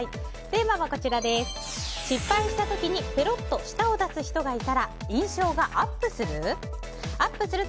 テーマは失敗したときにペロッと舌を出す人がいたら印象がアップする？